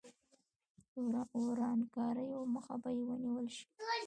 ورانکاریو مخه به یې ونیول شي.